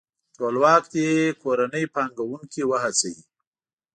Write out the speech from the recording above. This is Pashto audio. ټولواک دې کورني پانګوونکي وهڅوي.